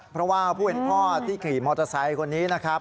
เพราะว่าผู้เป็นพ่อที่ขี่มอเตอร์ไซค์คนนี้นะครับ